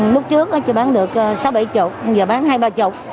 lúc trước chỉ bán được sáu bảy chục giờ bán hai ba chục